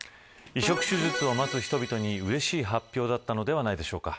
移植手術を待つ人々にうれしい発表だったのではないでしょうか。